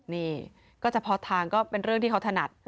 นี่ก็เฉพาะทางก็เป็นเรื่องที่เขาถนัด